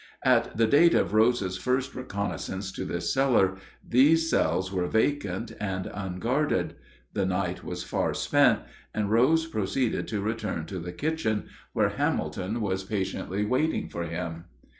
At the date of Rose's first reconnaissance to this cellar, these cells were vacant and unguarded. The night was far spent, and Rose proceeded to return to the kitchen, where Hamilton was patiently waiting for him.